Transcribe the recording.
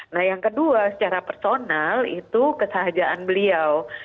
nah yang kedua secara personal itu kesahajaan beliau